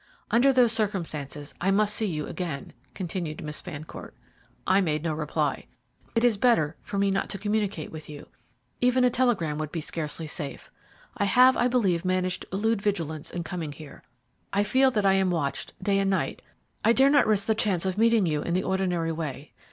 "Under those circumstances I must see you again," continued Miss Fancourt. I made no reply. "It is better for me not to communicate with you. Even a telegram would scarcely be safe. I have, I believe, managed to elude vigilance in coming here. I feel that I am watched day and night. I dare not risk the chance of meeting you in the ordinary way.